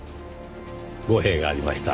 語弊がありました。